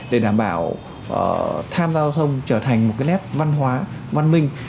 để đảm bảo tham gia giao thông trở thành một cái nét văn hóa văn minh